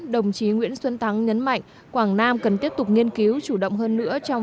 đồng chí nguyễn xuân thắng nhấn mạnh quảng nam cần tiếp tục nghiên cứu chủ động hơn nữa trong